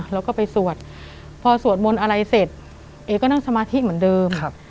แล้วก็ไปสวดพอสวดมนต์อะไรเสร็จเอก็นั่งสมาธิเหมือนเดิม